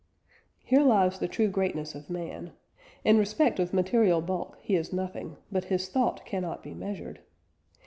Here lies the true greatness of man. In respect of material bulk he is nothing, but his thought cannot be measured.